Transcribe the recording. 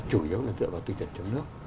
chủ yếu là dựa vào tiêu chuẩn chống nước